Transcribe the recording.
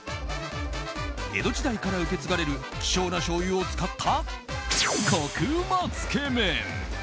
江戸時代から受け継がれる希少なしょうゆを使ったコクうまつけ麺。